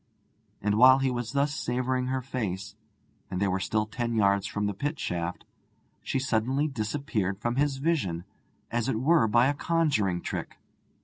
And while he was thus savouring her face, and they were still ten yards from the pit shaft, she suddenly disappeared from his vision, as it were by a conjuring trick.